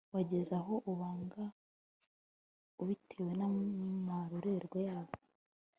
wageze aho ubanga ubitewe n'amarorerwa yabo